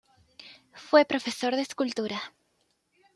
Fue profesor de escultura.